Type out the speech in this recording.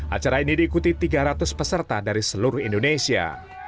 acara ini diikuti tiga ratus peserta dari seluruh indonesia